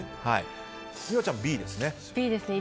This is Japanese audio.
美桜ちゃん、Ｂですね。